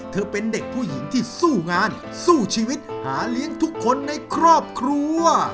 เป็นเด็กผู้หญิงที่สู้งานสู้ชีวิตหาเลี้ยงทุกคนในครอบครัว